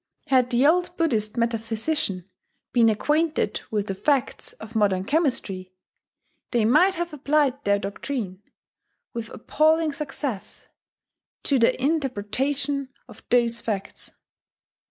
Had the old Buddhist metaphysicians been acquainted with the facts of modern chemistry, they might have applied their doctrine, with appalling success, to the interpretation of those facts.